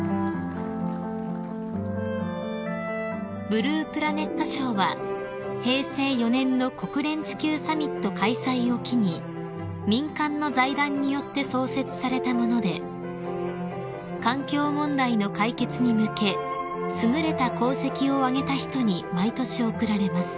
［ブループラネット賞は平成４年の国連地球サミット開催を機に民間の財団によって創設されたもので環境問題の解決に向け優れた功績を挙げた人に毎年贈られます］